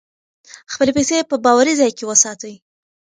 خپلې پیسې په باوري ځای کې وساتئ.